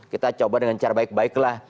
kita coba dengan cara baik baiklah